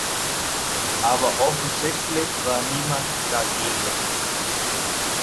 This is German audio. Aber offensichtlich war niemand dagegen.